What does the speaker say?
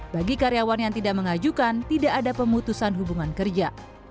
bagi karyawan yang tidak mengajukan tidak ada pemutusan hubungan kerja